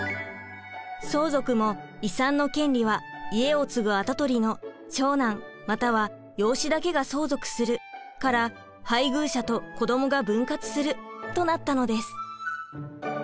相続も遺産の権利は「家を継ぐ跡取りの長男または養子だけが相続する」から「配偶者と子どもが分割する」となったのです。